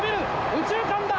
右中間だ！